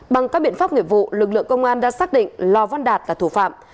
bằng các biện pháp nghiệp vụ lực lượng công an đã xác định lò văn đạt là thủ phạm